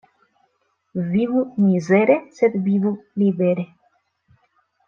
Vivu mizere, sed vivu libere!